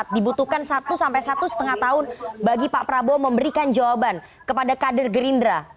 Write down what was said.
dibutuhkan satu sampai satu lima tahun bagi pak prabowo memberikan jawaban kepada kader gerindra